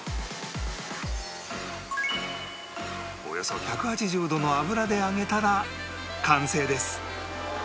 およそ１８０度の油で揚げたら完成です